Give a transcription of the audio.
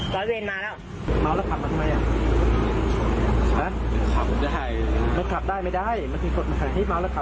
ก็ขับได้หรอกค่ะ